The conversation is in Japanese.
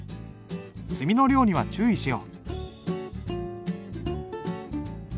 墨の量には注意しよう。